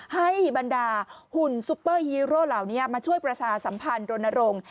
ให้บรรดาหุ่นซุปเปอร์ฮีโร่เหล่านี้มาช่วยประชาสัมพันธ์รณรงค์